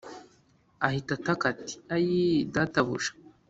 Ahita Ataka Ati Ayii Databuja